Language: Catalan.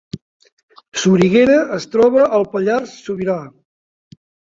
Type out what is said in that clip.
Soriguera es troba al Pallars Sobirà